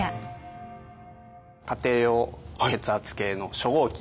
家庭用血圧計の初号機。